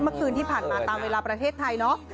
เมื่อคืนที่ผ่านมาตามเวลาประเทศไทยเนาะ